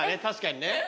確かにね。